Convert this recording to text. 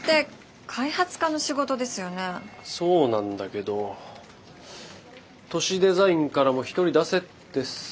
そうなんだけど都市デザインからも１人出せってさ。